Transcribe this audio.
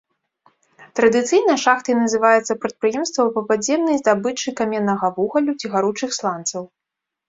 Традыцыйна шахтай называецца прадпрыемства па падземнай здабычы каменнага вугалю ці гаручых сланцаў.